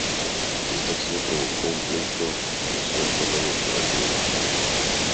Esta acción provocó un pleito resuelto luego por el rey de España.